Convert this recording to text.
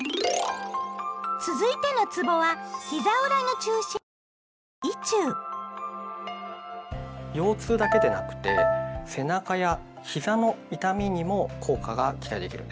続いてのつぼはひざ裏の中心にある腰痛だけでなくて背中やひざの痛みにも効果が期待できるんです。